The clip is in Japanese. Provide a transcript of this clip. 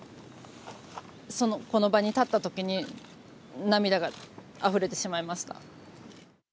この場に立ったときに、涙があふれてしまいました。